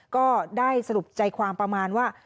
ก็ได้สรุปใจความประมาณว่า